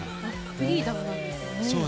フリーダムなんですね。